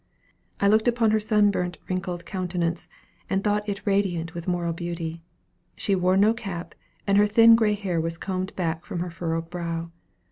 I looked upon her sunburnt, wrinkled countenance, and thought it radiant with moral beauty. She wore no cap, and her thin grey hair was combed back from her furrowed brow.